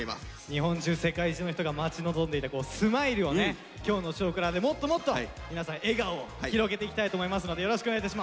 日本中世界中の人が待ち望んでいたスマイルをね今日の「少クラ」でもっともっと皆さん笑顔を広げていきたいと思いますのでよろしくお願いいたします。